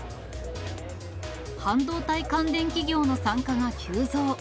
半導体関連企業の参加が急増。